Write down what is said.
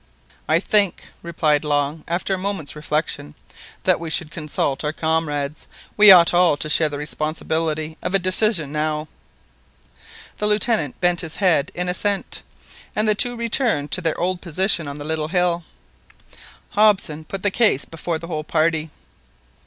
"I think," replied Long, after a moment's reflection, "that we should consult our comrades. We ought all to share the responsibility of a decision now." The Lieutenant bent his head in assent, and the two returned to their old position on the little hill. Hobson put the case before the whole party.